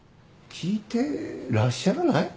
聞いてらっしゃらない？